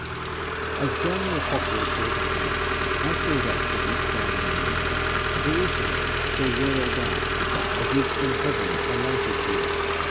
As John the Apostle saw the sight, I saw that city, standing near Jerusalem, so royal dight, As if from Heaven alighted here.